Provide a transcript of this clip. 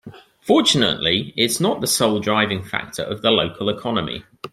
Fortunately its not the sole driving factor of the local economy.